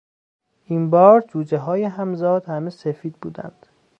این بار جوجههای همزاد همه سفید بودند.